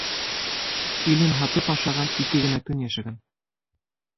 Илен һатып ашаған ике генә көн йәшәгән.